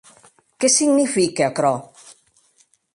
Qué signifique aquerò?